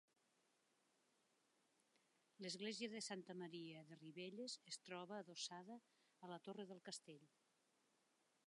L'església de Santa Maria de Ribelles es troba adossada a la torre del castell.